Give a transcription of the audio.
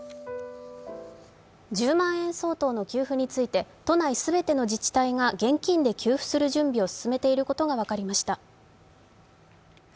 １０万円相当の給付について、都内全ての自治体が現金で給付する準備を進めていることが分かりました。